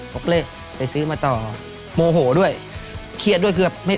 บอกเลยไปซื้อมาต่อโมโหด้วยเคียดด้วยคือว่า